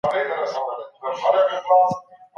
د وطن په ابادۍ کي د هر چا برخه شته.